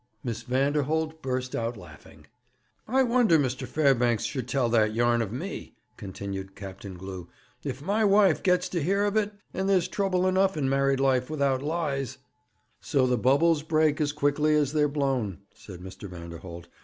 Miss Vanderholt burst out laughing. 'I wonder Mr. Fairbanks should tell that yarn of me,' continued Captain Glew. 'If my wife gets to hear of it and there's trouble enough in married life without lies ' 'So the bubbles break as quickly as they are blown,' said Mr. Vanderholt.